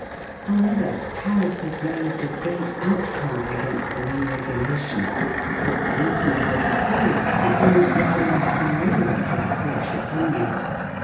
However, Paris has raised a great outcry against the new regulation ; for, reasonable as it is, it means little less than ruin to the poor chtffonnier.